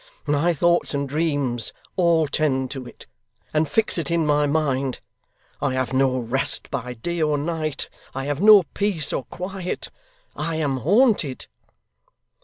My thoughts and dreams all tend to it, and fix it in my mind. I have no rest by day or night; I have no peace or quiet; I am haunted.